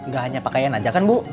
gak hanya pakaian aja kan bu